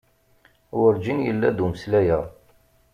Werǧin yella-d umeslay-a.